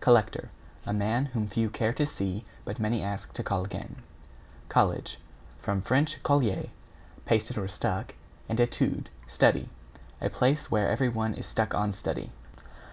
=COLLECTOR= A man whom few care to see but many ask to call again. =COLLEGE= From Fr. colle, pasted or stuck, and etude, study. A place where everyone is stuck on study.